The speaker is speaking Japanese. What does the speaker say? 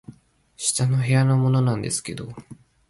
「下の部屋のものなんですけど」